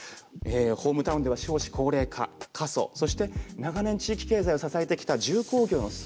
ホームタウンでは少子高齢化過疎そして長年地域経済を支えてきた重工業の衰退が進んでいるんです。